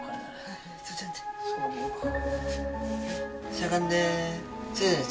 しゃがんで。